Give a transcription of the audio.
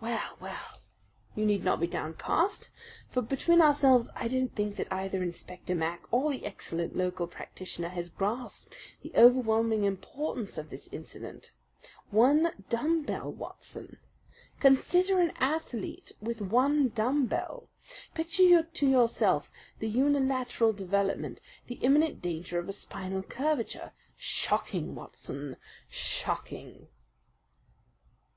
Well, well, you need not be downcast; for between ourselves I don't think that either Inspector Mac or the excellent local practitioner has grasped the overwhelming importance of this incident. One dumb bell, Watson! Consider an athlete with one dumb bell! Picture to yourself the unilateral development, the imminent danger of a spinal curvature. Shocking, Watson, shocking!"